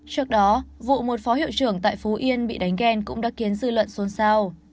trước đó vụ một phó hiệu trưởng tại phú yên bị đánh ghen cũng đã khiến dư luận xôn xao